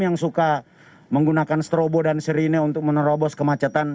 yang suka menggunakan strobo dan sirine untuk menerobos kemacetan